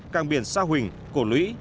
càng biển sa huỳnh cổ lũy